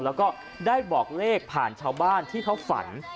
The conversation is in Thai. แล้วก็ได้บอกเลขผ่านชาวบ้านที่เขาฝัน